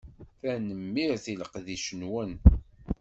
Tanemmirt i leqdic-nwen.